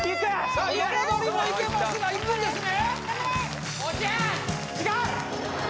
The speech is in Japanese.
さあ横取りもいけますがいくんですね？